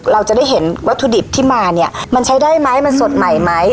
เราจะได้เห็นวัตถุดิบที่มาเนี่ยมันใช้ได้ไหมมันสดใหม่ไหม